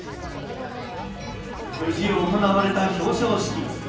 無事行われた表彰式。